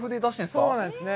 そうなんですね。